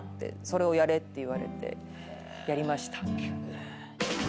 それをやれって言われてやりました。